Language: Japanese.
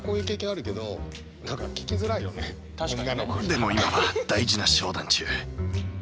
でも今は大事な商談中。